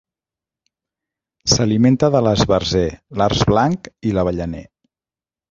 S'alimenta de l'esbarzer, l'arç blanc i l'avellaner.